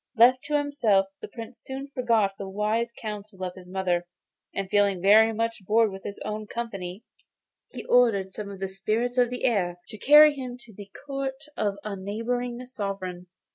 Left to himself the Prince soon forgot the wise counsels of his mother, and feeling very much bored with his own company, he ordered some of the spirits of the air to carry him to the court of a neighbouring sovereign.